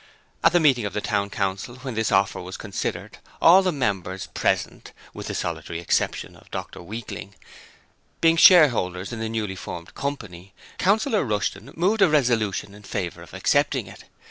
At the meeting of the Town Council when this offer was considered, all the members present, with the solitary exception of Dr Weakling, being shareholders in the newly formed company, Councillor Rushton moved a resolution in favour of accepting it.